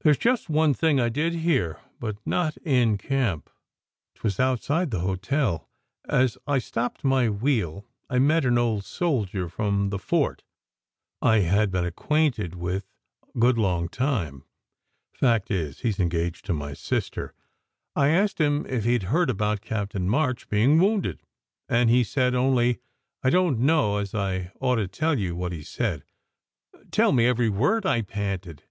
There s just one thing I did hear, but not in camp. Twas outside the hotel, as I stopped my wheel. I met an old soldier from the Fort I d been acquainted with a good long time fact is, he s engaged to my sister. I asked him if he d heard about Captain March being wounded. And he said only I don t know as I ought to tell you what he said " "Tell me every word," I panted.